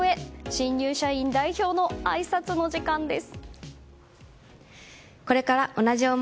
新入社員代表のあいさつの時間です。